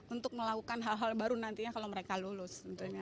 untuk melakukan hal hal baru nantinya kalau mereka lulus